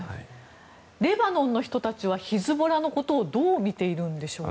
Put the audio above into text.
レバノンの人たちはヒズボラのことをどう見ているんでしょうか。